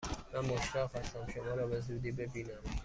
من مشتاق هستم شما را به زودی ببینم!